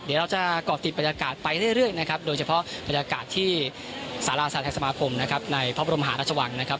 เดี๋ยวเราจะก่อติดบรรยากาศไปเรื่อยนะครับโดยเฉพาะบรรยากาศที่สาราศาไทยสมาคมนะครับในพระบรมหาราชวังนะครับ